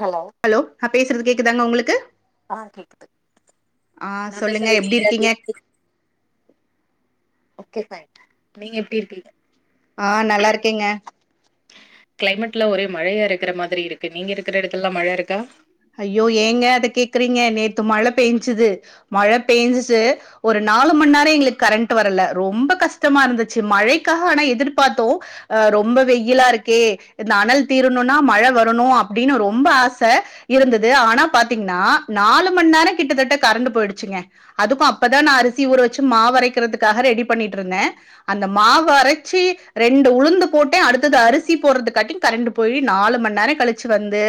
hello ஹ பேசுறது கேக்குதாங்க உங்களுக்கு ஆஹ் கேக்குது ஆ நான் சொல்லுங்க பேசு எப்டி இருக்கீங்க ஓக்கே நீங்க எப்படி இருப்பீங்க ஆஹ் நல்லா இருக்கீங்க கிளைமேட்ல ஒரே மழையா இருக்கிற மாதிரி இருக்கு நீங்க இருக்கிற இடத்துல எல்லாம் மழ இருக்கா ஐயோ ஏங்க அத கேக்குறீங்க நேத்து மழ பெஞ்சுது மழ பெஞ்சிட்டு ஒரு நாலு மணி நேரம் எங்களுக்கு கரண்ட் வரல ரொம்ப கஷ்டமா இருந்துச்சு மழைக்காக ஆனா எதிர்பார்த்தோம் ஆஹ் ரொம்ப வெயிலா இருக்கே இந்த அனல் தீரணும்னா மழ வரணும் அப்படின்னு ரொம்ப ஆச இருந்தது ஆனா பாத்தீங்கன்னா நாலு மணி நேரம் கிட்டத்தட்ட கரண்டு போயிடுச்சுங்க அதுக்கும் அப்பதான் நான் அரிசி ஊற வச்சு மாவுரைக்கிறதுக்காக ரெடி பண்ணிட்டு இருந்தேன் அந்த மாவு அரைச்சு ரெண்டு உளுந்து போட்டேன் அடுத்தது அரிசி போடுறதுக்காட்டி கரண்ட போயி நாலு மணி நேரம் கழிச்சு வந்து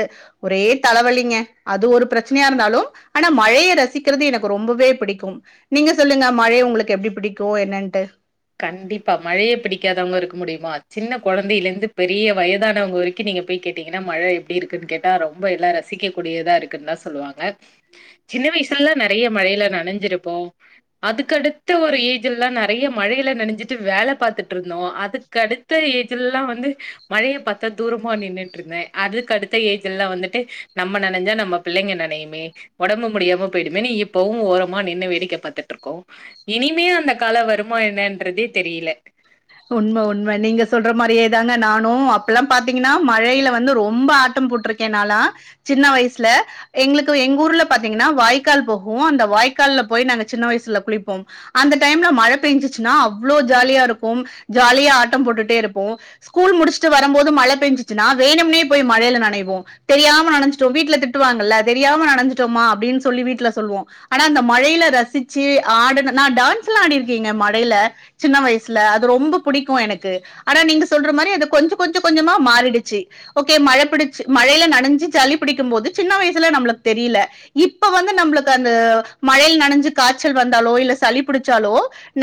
ஒரே தலைவலிங்க அது ஒரு பிரச்சனையா இருந்தாலும் ஆனா மழைய ரசிக்கிறது எனக்கு ரொம்பவே பிடிக்கும் நீங்க சொல்லுங்க மழை உங்களுக்கு எப்படி புடிக்கும் என்னன்ட்டு கண்டிப்பா மழைய பிடிக்காதவங்க இருக்க முடியுமா சின்ன கொழந்தைலந்து பெரிய வயதானவ்ங்க வரைக்கு நீங்க போய் கேட்டீங்கனா மழ எப்டி இருக்குன் கேட்டா ரொம்ப எல்லா ரசிக்க கூடியதா இருக்குன் தா சொல்லுவாங்க சின்ன வயசுலல்லா நெறைய மழைல நனஞ்சிருப்போ அதுக்கடுத்த ஒரு ஏஜ் எல்லா நெறைய மழைல நெனஞ்சிட்டு வேல பாத்துட்ருந்தோ அதுக்கடுத்த ஏஜ்லல்லா வந்து மழைய பாத்தா தூரமா நின்னுட்ருந்தே அதுக்கு அடுத்த ஏஜ்லல்லா வந்துட்டு நம்ம நனஞ்சா நம்ம பிள்ளைங்க நனையுமே உடம்பு முடியாம போயி்டும் இப்பவு ஓரமா நின்னு வேடிக்க பாத்துட்ருக்கோ இனிமே அந்த கால வரு மா என்னன்றதே தெரில உண்ம உண்ம நீங்க சொல்ற மாரியே தாங்க நானு அப்பல்லா பாத்தீங்கன்னா மழைல வந்து ரொம்ப ஆட்டம் போட்ருக்கே நாலா சின்ன வயசுல எங்களுக்கு எங்க ஊர்ல பாத்தீங்கனா வாய்க்கால் போகு அந்த வாய்க்கால்ல போய் நாங்க சின்ன வயசுல குளிப்போம் அந்த டைம்ல மழ பெஞ்சுச்சுனா அவ்ளோ ஜாலியா இருக் கும் ஜாலியா ஆட்டம் போட்டுட்டே இருப்போ ஸ்கூல் முடிச்சுட்டு வரும் போது மழ பெஞ்சச்சுனா வேணும்னே போய் மழைல நனைவோ தெரியாம நனஞ்சுட்டோ வீட்ல திட்டுவாங்கல்ல தெரியாம நனஞ்சுட்டோம்மா அப்டின் சொல்லி வீட்ல சொல்வ ஆனா அந்த மழைல ரசிச்சு ஆடுன நா டான்ஸ்லா ஆடிருக்கேங்க மழைல சின்ன வயசு சுல அது ரொம்ப புடிக்கு எனக்கு ஆனா நீங்க சொல்ற மாரி அத கொஞ்ச கொஞ்ச கொஞ்சமா மாறிடுச்சு ஓகே மழ பிடிச்சு மழைல நனஞ்சு சளி பிடிக்கும் போது சின்ன வயசுல நம்மளுக்கு தெரியல இப்ப வந்து நம்மளுக்கு அந்த மழைல நனஞ்சு காய்ச்சல் வந்தாலோ இல்ல சளி பிடிச்சாலோ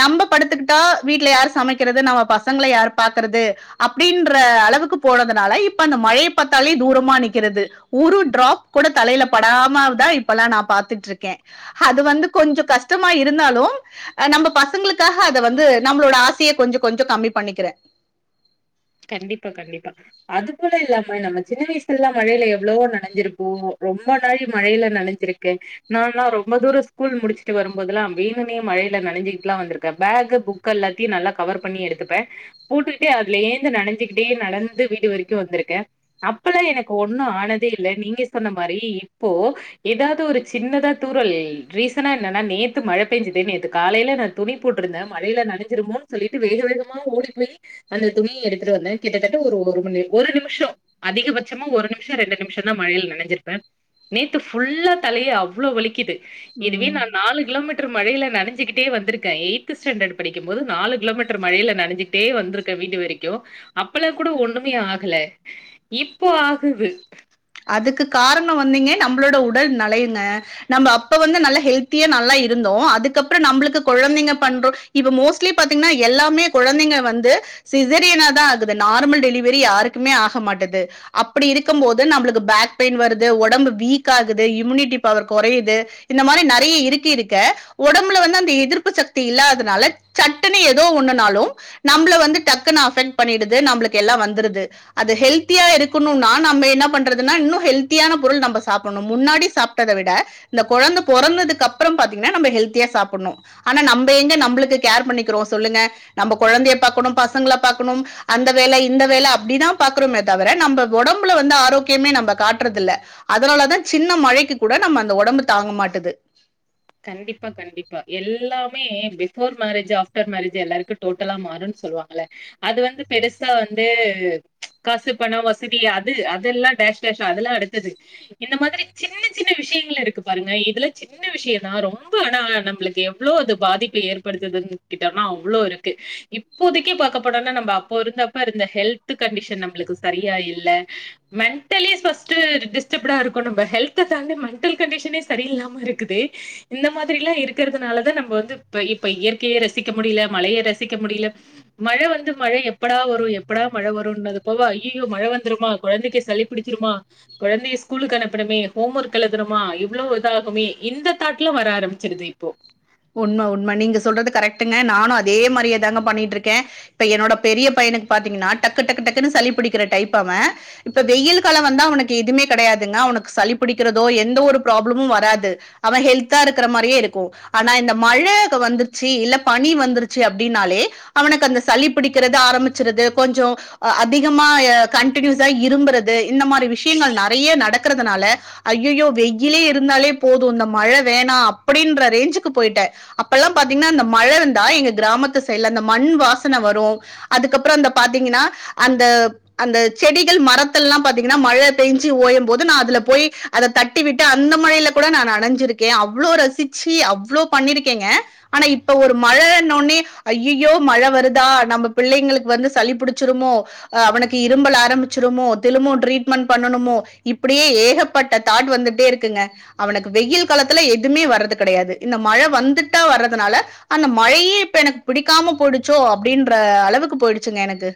நம்ப படுத்துக்கிட்டா வீட்ல யாரு சமைக்கிறது நம்ம பசங்கள யாரு பாக்குறது அப்டின்ற அளவுக்கு போறதுனால இப்ப அந்த மழைய பாத்தாலே தூரமா நிக்கிறது ஒரு டிராப் கூட தலைல படாம தா இப்பல்லா நா பாத்துட்ருக்கே அது வந்து கொஞ்சொ கஷ் கமா இருந்தாலு நம்ப பசங்களுக்காக அத வந்து நம்ளோட ஆசைய கொஞ்சொ கொஞ்சொ கம்மி பண்ணிக்கிறே கண்டிப்பா கண்டிப்பா அது போல இல்லாம நம்ம சின்ன வயசுலல்லா மழைல எவ்வளவோ நனஞ்சிருப்போ ரொம்ப நாள் மழைல நனஞ்சிருக்கே நால்லா ரொம்ப தூரொ ஸ்கூல் முடிச்சுட்டு வரும்போதுல்லா வேணுனே மழைல நனஞ்சிக்கிட்லா வந்திருக்கே பேகு புக்கெல்லாத்தையு நல்லா கவர் பண்ணி எடுத்துப்பே போட்டுட்டே அதுல ஏ ல நனஞ்சுகிட்டே நடந்து வீடு வரைக்கு வந்துருக்கே அப்பதா எனக்கு ஒன்னு ஆனதே இல்ல நீங்க சொன்ன மாரி இப்போ எதாது ஒரு சின்னதா தூரல் ரீசனா என்னனா நேத்து மழ பெஞ்சுது நேத்து காலைல நா துணி போட்ருந்தே மழையில நனஞ்சிருமோனீ சொல்லிட்டு வேக வேகமா ஓடி போய் அந்த துணிய எடுத் துட்டு வந்தெ கிட்டத்தட்ட ஒரு ஒரு நிமிஷ அதிகபட்சமா ஒரு நிமிஷொ ரெண்டு நிமிஷொந்தா மழைல நெனஞ்சிருப்பே நேத்து ஃபுல்லா தலைய அவ்ளோ வலிக்குது இதுவே உம் நா நாலு கிலோமீட்டர் மழைல நெனஞ்சுக்கிட்டே வந்திருக்கே எய்த்து ஸ்டாண்டர்ட் படிக்கும் போது நாலு கிலோமீட்டர் மழைல நனஞ்சுகிட்டே வந்துருக்கே வீடு வரை க்கு அப்பல்லா கூட ஒண்ணுமே ஆகல இப்போ ஆகுது அதுக்கு காரண வந்தீங்க நம்மளோட உடல் நலைங்க நம்ப அப்ப வந்து நல்ல ஹெல்த்தியா நல்லா இருந்தோ அதுக்கப்ற நம்பளுக்கு கொழந்தைங்க பண்றொ இப்ப மோஸ்ட்லி பாத்திங்கனா எல்லாமே குழந்தைங்க வந்து சிசரியன தா ஆகுது நார்மல் டெலிவரி யாருக்குமே ஆக மாட்டுது அப்புடி இருக்கும் போ து நம்பளுக்கு பேக் பெய்ன் வருது ஒடம்பு வீக் ஆகுது இம்யூனிட்டி பவர் கொறையிது இந்த மாரி நெறைய இருக்கிருக்க ஒடம்புல வந்து அந்த எதிர்ப்பு சக்தி இல்லாதனால சட்டுனு எதோ ஒன்னுனாலு நம்ள வந்து டக்குனு அஃபெக்ட் பண்ணிடுது நம்ளுக்கெல்லா வந்துருது அது ஹெல்தியா இருக்கனுனா நம்ம என்ன பண்றதுனா இன்று ஹெல்தியான பொருள் நம்ப சாப்புன்னு முன்னாடி சாப்டத விட இந்த கொழந்த பொறந்ததுக்கப்றொ பாத்திங்கனா நம்ப ஹெல் தியா சாப்புட்னு ஆனா நம்ப எங்க நம்பளுக்கு கேர் பண்ணிக்கோ சொல்லுங்க நம்ப கொழந்தைய பாக்கணு பசங்கள‌ பாக்கணும் அந்த வேல இந்த வேல அப்டிதா பாக்குறோமே தவிர நம்ப ஒடம்புல வந்து ஆரோக் கியமே நம்ப காட்றதில்ல அதனால தா சின்ன மழைக்கு கூட நம்ம அந்த ஒடம்பு தாங்க மாட்டுது கண்டிப்பா கண்டிப்பா எல்லாமே பிஃபோர் மேரேஜு ஆஃப்டர் மேரேஜு எல்லாருக்கு டோட்டலா மாறுன் சொல்வாங்கல்ல அது வந்து பெருசா வந்து காசு பண வசதி அது அதெல்லா டேஷ் டேஷ் அதெல்லா அடுத்தது இந்த மாதிரி சின்ன சின்ன விஷ்யங்கள் இருக்கு பாருங்க இதுல சின்ன விஷய நா ரொம்ப ஆனா நம்ளுக்கு எவ்ளோ அது பாதிப்ப ஏற்படுத்துதுன் கிட்டாமா அவ்ளோ இருக்கு இப்போதைக்கே பாக்க படன்னா நம்ப அப்ப இருந்தப்ப இருந்த ஹெல்த்து கண்டிஷன் நம்பளுக்கு சரியா இல்ல மெண்டலி ஃபஸ்ட்டு டிஸ்டப்டா இருக்கோ நம்ப ஹெல்த்த தாண்டி மெண்டல் கண்டிஷனே சரியில்லாம இருக்குதே இந்த மாதிரில்லா இருக்கிறதுனாலதா நம்ம வந்து இப்ப இப்ப இயற்கைய ரசிக்க முடில மழைய ரசிக்க முடில மழ வந்து மழ எப்படா வரு எப்படா மழ வருன்னது போவ ஐயயோ மழ வந்துருமா கொழந்தைக்கு சளி பிடிச்சிருமா கொழந்தைய ஸ்கூலுக்கு அனுப்பணுமே ஹோம் ஒர்க் எழுதுனுமா இவ்ளோ இதாகுமே இந்த தாட்லா வர ஆரம்பிச்சிருது இப்போ உண்ம உண்ம நீங்க சொல்றது கரெக்ட்டுங்க நானு அதே மாரியே தாங்க பண்ணிட்ருக்கே இப்ப என்னோட பெரிய பையனுக்கு பாத்தீங்கன்னா டக்கு டக்கு டக்குன்னு சளி பிடிக்கிற டைப் அவெ இப்ப வெயில் கால வந்தா அவனுக்கு எதுமே கெடயாதுங்க அவனுக்கு சளி பிடிக்கிறதோ எந்த ஒரு ப்ராப்ளமு வராது அவெ ஹெல்தா இருக்கிற மாரியே இருக்கு ஆனா இந்த மழ வந்துச்சு இல்ல பனி வந்துருச்சு அப்டின்னாலே அவனுக்கு அந்த சளி பிடிக்கிறது ஆரம்பிச்சிருது கொஞ்சொ அதிகமா ய கண்டினியூஸா இறும்புறது இந்த மாரி விஷ்யங்கள் நெறைய நடக்குறதுனால அய்யயோ வெயிலே இருந்தாலே போது இந்த மழ வேணா அப்டின்ற ரேஞ்சு க்கு போய்ட்டே அப்பல்லா பாத்தீங்னா இந்த மழ வந்தா எங்க கிராமத்து சைட்ல அந்த மண் வாசன வரு அதுக்கப்ற அந்த பாத்தீங்கனா அந்த அந்த செடிகள் மரத்தல்லா பாத்திங்கனா மழ பெஞ்சு ஓயம் போது நா அதுல போய் அத தட்டிவிட்டு அந்த மழைல கூட நா நனஞ்சிருக்கே அவ்ளோ ரசிச்சி அவ் வ்ளோ பண்ணிருக்கேங்க ஆனா இப்ப ஒரு மழன்னோனே ஐயய்யோ மழ வருதா நம்ம பிள்ளைங்களுக் வந்து சளி பிடிச்சிருமோ அவனுக்கு இரும்பல் ஆரம்பிச்சுருமோ திரும்பொ ட்ரீட்மெண்ட் பண்ணணுமோ இப்புடியே ஏகப்பட்ட தாட் வந்துட்டே இருக்குங்க அவனுக்கு வெயில் காலத்துல எதுமே வர்றது கெடையாது இந்த மழ வந்துட்டா வர்றதுனால அந்த மழையே இப்ப எனக்கு பிடிக்காம போயிடுச்சோ அப்டின்ற அளவுக்கு போயிடுச்சுங்க எனக்கு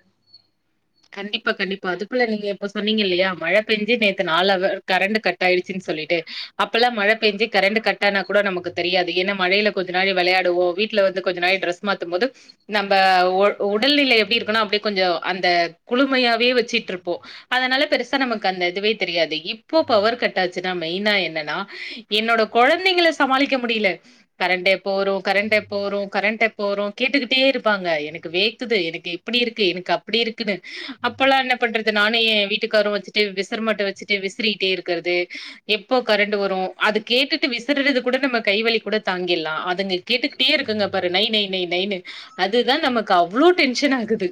கண்டிப்பா கண்டிப்பா அதுக்குள்ள நீங்க இப்ப சொன்னீங்கல்லையா மழ பெஞ்சு நேத்து நாலு அவ கரண்ட் கட் ஆயிடுச்சுன் சொல்லிட்டு அப்பல்லா மழ பெஞ்சு கரண்டு கட் ஆனா கூட நமக்கு தெரியாது ஏன்னா மழைல கொஞ்ச நாடி வெளயாடுவோ வீட்ல வந்து கொஞ்ச நாடி ட்ரெஸ் மாத்தும் போது நம்ப உடல்நிலை எப்டி இருக்குனா அப்டியே கொஞ்ச அந்த குழுமையாவே வச்சுட்ருப்போ அதனால பெருசா நமக்கு அந்த இதுவே தெரியாது இப்போ பவர் கட் ஆச்சுனா மெயினா என்னனா என்னோட கொழந்தைங்கள சமாளிக்க முடியல கரண்ட் எப்ப வரு கரண்ட் எப்ப வரு கரண்ட் எப்ப வரு கேட்டுக்கிட்டே இருப்பாங்க எனக்கு வேக்குது எனக்கு இப்புடி இருக்கு எனக்கு அப்புடி இருக்குனு அப்பல்லா என்ன பண்றது நானு ஏ வீட்டுக்காரு வச்சுட்டு விசிறமாட்டு வச்சுட்டு விசிறிட்டே இருக்குறது எப்போ கரண்ட் வரு அது கேட்டுட்டு விசுறது கூட நம்ம கைவலி கூட தாங்கில்லா அதுங்க கேட்டுக்கிட்டே இருக்குங்க பாரு நை நை நை நை நைனு அதுதா நமக்கு அவ்ளோ டென்ஷன் ஆகுது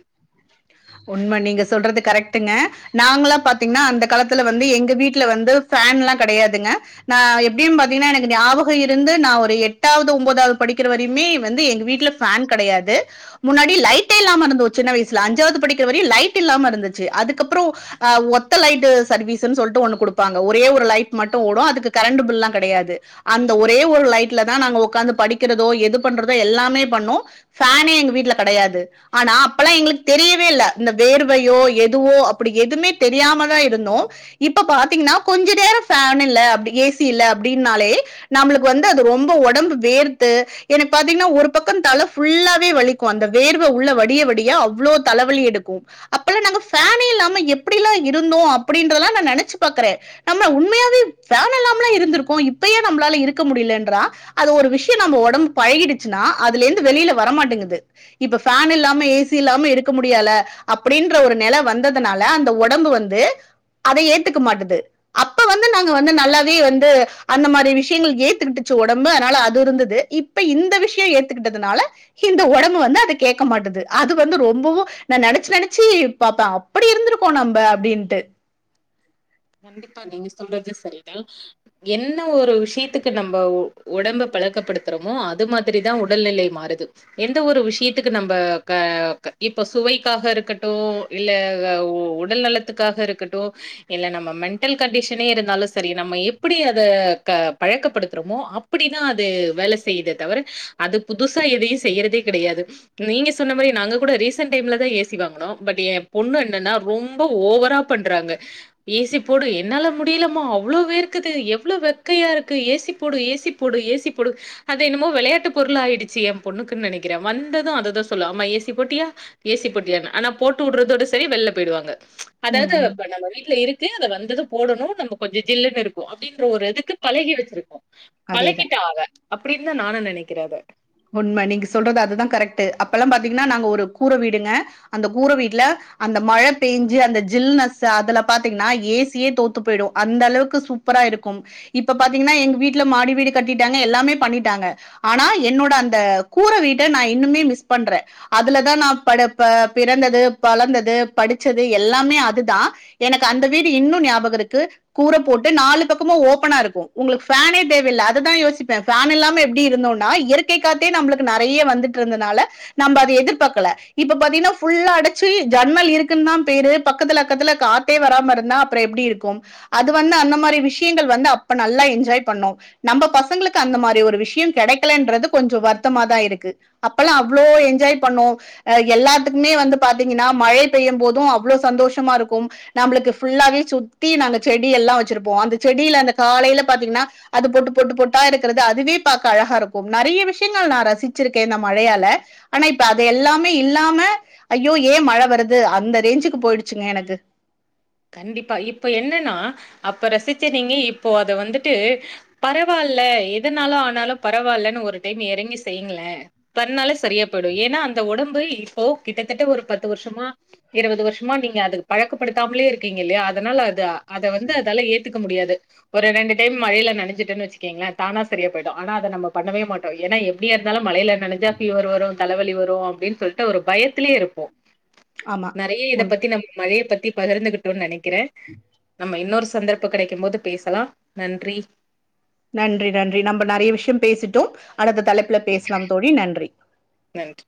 உண்ம நீங்க சொல்றது கரெக்ட்டுங்க நாங்கல்லா பாத்தீங்னா அந்த காலத்துல வந்து எங்க வீட்ல வந்து ஃபேன்ல்லா கெடையாதுங்க நா எப்டியும் பாத்தீங்கனா எனக்கு ஞாபக இருந்து நா ஒரு எட்டாவது ஒம்பதாவ்து படிக்கிற வரையுமே வந்து எங்க வீட்ல ஃபேன் கெடையாது முன்னாடி லைட்டே இல்லாம இருந்தோ சின்ன வயசுல அஞ்சாவ்து படிக்கிற வரையு லைட் இல்லாம இருந்துச்சு அதுக்கப்றொ அ ஒத்த லைட்டு சர்வீஸுன் சொல்ட்டு ஒன்னு குடுப்பாங்க ஒரே ஒரு லைட் மட்டு ஓடு அதுக்கு கரெண்ட்டு பில்லா கெடையாது அந்த ஒரே ஒரு லைட்லதா நாங்க ஒக்காந்து படிக்கிறதோ எது பண்றதோ எல்லாமே பண்ணு ஃபேனே எங்க வீட்ல கெடயாது ஆனா அப்பல்லா எங்களுக் தெரிய யவே இல்ல இந்த வேர்வையோ எதுவோ அப்பேடி எதுமே தெரியாமதா‌ இருந்தோ இப்ப பாத்தீங்னா கொஞ்ச நேர‌ ஃபேன் இல்ல ஏ‌ சி இல்ல அப்டின்னாலே நம்மளுக்கு வந்து அது ரொம்ப ஒடம்பு வேர்த்து எனக் பாத்தீங்னா ஒரு பக்க தல ஃபுல்லாவெ வலிக்கு அந்த வேர்வ உள்ள வடிய வடிய அவ்ளோ தல வலி எடுக்கு அப்பல்லா நாங்க ஃபேனே இல்லாம எப்டிலா இருந்தோ அப்டின்றதல்லா நா நெனச்சு பாக்குறே நம்ம உண்மையாவே ஃபேன் இல்லாமலா இருந்துருக்கோ இப்ப ஏ நம்ளால இருக்க முடிலன்றா அது ஒரு விஷ்ய நம்ப ஒடம்பு பழகிடுச்சுனா அதுலேந்து வெளில வரமாட்டிங்கிது இப்ப ஃபேன் இல்லாம ஏ சி இல்லாம இரு க்கு முடியல அப்புடின்ற ஒரு நெல வந்ததுனால அந்த உடம்பு வந்து அத ஏத்துக்க மாட்டுது அப்ப வந்து நாங்க வந்து நல்லாவே வந்து அந்த மாரி விஷ்யங்கள் ஏத்துக்கிட்டுச்சு ஒடம்பு அனால அது இருந்தது இப்ப இந்த விஷ்ய ஏத்துக்கிட்டதுனால இந்த ஒடம்பு வந்து அத கேக்க மாட்டுது அது வந்து ரொம்பவு நா நெனச்சு நெனச்சு பாப்பே அப்புடி இருந்திருக்கோ நம்ப அப்டின்ட்டு கண்டிப்பா நீங்க சொல்றது சரிதா என்ன ஒரு விஷயத்துக்கு நம்ப ஒடம்ப பழக்கப்படுத்துறோமோ அது மாதிரிதா உடல்நிலை மாறுது எந்த ஒரு விஷயத்துக்கு நம்ப க இப்ப சுவைக்காக இருக்கட்டு இல்ல உடல் நலத்துக்காக இருக்கட்டு இல்ல நம்ம மெண்டல் கண்டிஷனே இருந்தாலு சரி நம்ம எப்புடி அத க பழக்கப்படுத்துறோமோ அப்புடிதா அது வேல செய்யுத தவிர அது புதுசா எதையு செய்யுறதே கிடையாது நீங்க சொன்ன மாரி நாங்க கூட ரீசன்ட் டைம்லதா ஏ சி வாங்குனோ பட் ஏ பொண்ணு என்னன்னா ரொம்ப ஓவரா பண்றாங்க ஏ சி போடு என்னால முடியலம்மா அவ்ளோ வேர்க்குது எவ்ளொ வெக்கையாருக்கு ஏ சி போடு ஏ சி போடு ஏ சி போடு அது என்னமோ வெளயாட்டு பொருள் ஆயிடுச்சு ஏ பொண்ணுக்குன் நெனக்கிறே வந்தது அததா சொல்லு அம்மா ஏ சி போட்டியா ஏ சி போட்டியான்னு ஆனா போட்டு வுட்றதோட செரி வெள்ல போயிடுவாங்க ம் அதாவ்து ம் இப்ப நம்ம வீட்ல இருக் க்கு அத வந் தது போடணு நம்ப கொஞ்ச ஜில்லுனு இரு அப்படின்ற ஒரு இதுக்கு பழகி வச்சிரு அதேதா பழகிட்டா அவ அப்டின்னு தான் நான் நினை நெனக்கிறவ உண்ம நீங்க சொல்றது அதுதான் கரெக்ட் அப்ப எல்லாம் பாத்தீங்கன்னா நாங்க ஒரு கூர வீடுங்க அந்த கூர வீட்ல அந்த மழ பெஞ்சு அந்த ஜில்னஸ் அதுல பாத்தீங்கன்னா ஏசியே தோத்து போயிடும் அந்த அளவுக்கு சூப்பரா இருக்கும் இப்ப பாத்தீங்கன்னா எங்க வீட்ல மாடி வீடு கட்டிட்டாங்க எல்லாமே பண்ணிட்டாங்க ஆனா என்னோட அந்த கூர வீட்ட நான் இன்னுமே மிஸ் பண்றேன் அதுலதான் நா பிறந்தது வளந்தது படிச்சது எல்லாமே அதுதான் எனக்கு அந்த வீடு இன்னும் நியாபகம் இருக்கு கூர போட்டு நாளு பக்கமும் ஒப்னா இருக்கும் உங்களுக்கு ஃபேன் யே தேவ இல்ல அதுதான் யோசிப்பேன் ஃபேன் இல்லாம எப்டி இருந்தோனா இயற்கை காத்தே நம்பலுக்கு நெறைய வந்துட்டு இருந்தனால நம்ம அதை எதிர்பார்கல இப்ப பாத்தீங்கன்னா ஃபுல்ல அடச்சு ஜன்னல் இருக்குன்னு தான் பேரு பக்கத்துல அக்கத்துல காத்தே வராம இருந்தா அப்றம் எப்டி இருக்கும் அது வந்து அந்த மாதிரி விஷயங்கள் வந்து அப்ப நல்லா என்ஜாய் பண்ணோம் நம்ம பசங்களுக்கு அந்த மாரி ஒரு விஷயம் கிடைக்கலன்றது கொஞ்சம் வருத்தமா தான் இருக்கு அப்பல்லாம் அவ்ளோ என்ஜாய்பண்ணோம்ஹோ எல்லாத்துக்குமே வந்து பாத்தீங்கன்னா மழை பெய்யும் போதும் அவ்வளவு சந்தோஷமா இருக்கும் நம்மளுக்கு புல்லாவே சுத்தி நாங்க செடி எல்லாம் வச்சிருப்போம் அந்த செடியில அந்த காலையில பாத்தீங்கன்னா அது பொட்டு பொட்டு பொட்டா இருக்கிறது அதுவே பாக்க அழகா இருக்கும் நெறைய விஷயங்கள் நான் ரசிச்சிருக்கேன் இந்த மழையால ஆனா இப்ப அது எல்லாமே இல்லாம ஐயோ ஏன் மழ வருது அந்த ரேஞ்சுக்கு போயிடுச்சுங்க எனக்கு கண்டிப்பா இப்ப என்னன்னா அப்ப ரசிச்ச நீங்க இப்போ அத வந்துட்டு பரவாயில்ல எதனாலும் ஆனாலும் பரவாயில்லன்னு ஒரு டைம் இறங்கி செய்யங்களேன் பண்ணனாலும் சரியா போயிடும் ஏன்னா அந்த உடம்பு இப்போ கிட்டத்தட்ட ஒரு பத்து வருஷமா இருபது வருஷமா நீங்க அதுக்கு பழக்கப்படுத்தாமலே இருக்கு இருக்கீங்க இல்லையா அதனால அது அத வந்து அதால்லா ஏத்துக் முடியாது ஒரு ரெண்டு டைம் மழைல நனஞ்சிடனு வச்சக்கங்கலேன் தானா சரிய போய்டும் அத நம்ம பண்ணவே மாட்டம் எப்டிய இருந்தாலும் மழையில் நனஞ்சா ஃபீவர் வரும் தலவலி வரும் அப்டின்னு சொல்ட்டு ஒரு பயத்திலயே இருப்போம் ஆமா நெறைய இத உண்ம பத்தி நம்ம மழய பத்தி பகிர்ந்துகுட் டுன்னக்கு இருக்கிறேன் நம்ம இன்னொரு சந்தர்ப கெடக்கிம் போது பேசலாம் நன்றி நன்றி நன்றி நம்ம நெறைய விஷயம் பேசிட்டோம் அது தலைப்பு பேசலாம் தோழி நன்றி நன்றி